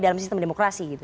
dalam sistem demokrasi